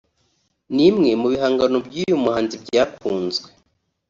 ni imwe mu bihangano by’uyu muhanzi byakunzwe